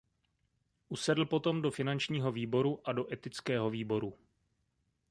Usedl potom do finančního výboru a do etického výboru.